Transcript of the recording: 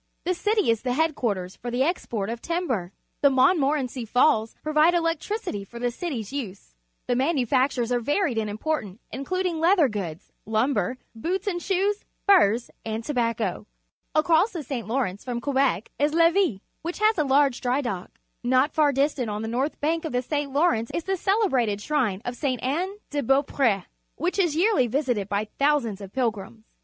The city is the head quarters for the export of timber. The Montmorenc y Falls provide electricity for the city's use. The manufactures are varied and important, including leather 94 PUBLIC SCHOOL GEOGRAPHY goods, lumber, boots and shoes, furs, and tobacco. Across the St. Lawrence from Quebec is A Caleche, an old fashioned Carriage, Quebec Leij^Sj^ which has a large dry dock . Not far dis tant on the north bank of the St. Lawrence is the celebrated skrine of S(e. Anne de Beau pr e^ which is j'earlj' ^^sited bj^ thousands of pilgrims.